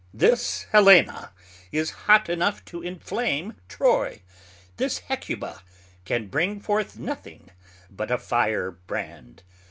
This Helena is hot enough to inflame Troy; this Hecuba can bring forth nothing but a Fire brand.